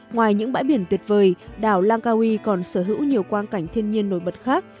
ngoài những bãi biển tuyệt vời đảo langkawi còn sở hữu nhiều quan cảnh thiên nhiên nổi bật khác